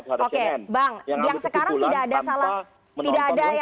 kritik besar pada cnn